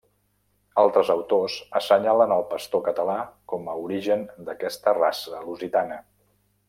Altres autors assenyalen el pastor català com a origen d'aquesta raça lusitana.